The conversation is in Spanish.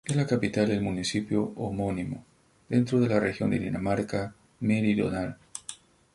Es la capital del municipio homónimo, dentro de la región de Dinamarca Meridional.